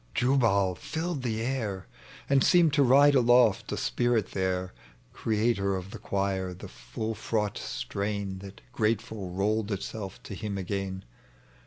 .. "Jubal" filled the And seemed to ride aloft, a spirit there, Creator of the choir, the ftdl fraught strain That grateful rolled itself to Mm again.